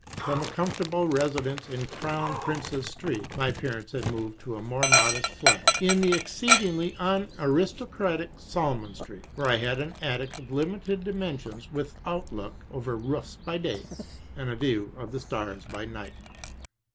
From a comfortable residence in Crown Prince's Street, my parents had moved to a more modest flat in the exceedingly unaristo cratic Salmon Street, where I had an attic of limited dimen sions with outlook over roofs by day and a view of the stars by nig^t.